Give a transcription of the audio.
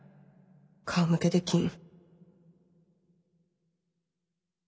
顔向けできん。